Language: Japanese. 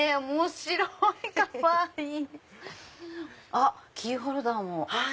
あっキーホルダーも。